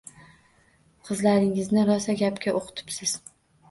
-Qizlaringizni rosa gapga o’qitibsiz.